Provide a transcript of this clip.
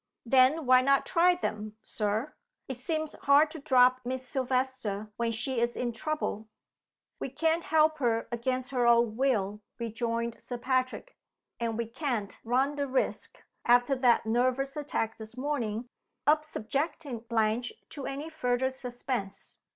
"Then why not try them, Sir? It seems hard to drop Miss Silvester when she is in trouble." "We can't help her against her own will," rejoined Sir Patrick. "And we can't run the risk, after that nervous attack this morning, of subjecting Blanche to any further suspense.